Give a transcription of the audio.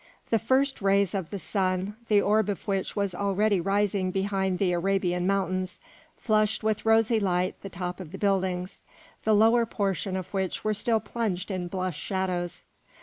The first rays of the sun, the orb of which was already rising behind the Arabian mountains, flushed with rosy light the top of the buildings, the lower portions of which were still plunged in bluish shadows.